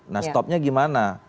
nah stopnya gimana